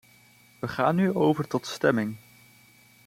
Wij gaan nu over tot stemming.